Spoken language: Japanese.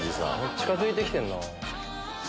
近づいて来てんな。